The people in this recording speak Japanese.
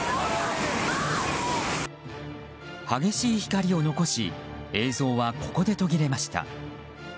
激しい光を残し映像は、ここで途切れました。